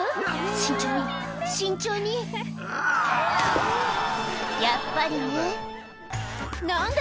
慎重に慎重にやっぱりね何だ？